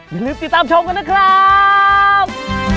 อย่าลืมติดตามชมกันนะครับ